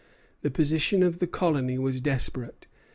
The position of the colony was desperate.